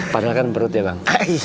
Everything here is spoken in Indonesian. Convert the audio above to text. panel kan perut ya bang